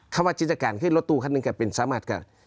เข้าที่รถตู้เข้าเป็นสะมารถ